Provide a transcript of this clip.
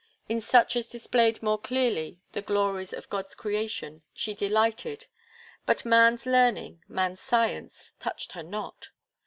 In such as displayed more clearly the glories of God's creation she delighted; but man's learning, man's science, touched her not.